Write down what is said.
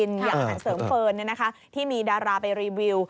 อย่างหันเสริมเฟิร์นเนี่ยนะฮะที่มีดาราไปรีวิว